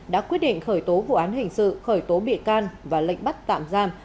đã quyết định khởi tố vụ án hình sự khởi tố bị can và lệnh bắt tạm giam